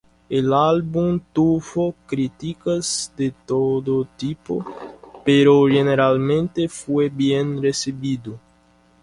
El álbum tuvo críticas de todo tipo, pero generalmente fue bien recibido.